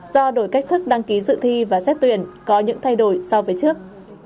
do đổi cách thức đăng ký dự thi và xét tuyển có những thay đổi so với trước